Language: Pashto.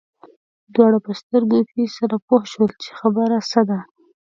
دواړه په سترګو کې سره پوه شول چې خبره څه ده.